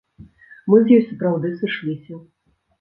Мы з ёй сапраўды сышліся.